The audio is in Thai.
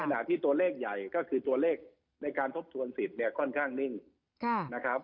ขณะที่ตัวเลขใหญ่ก็คือตัวเลขในการทบทวนสิทธิ์เนี่ยค่อนข้างนิ่งนะครับ